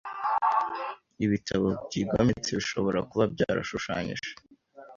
"ibitabo byigometse bishobora kuba byarashushanyije